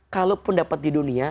kalaupun dapat di dunia